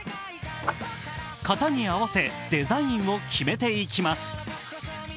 型に合わせ、デザインを決めていきます。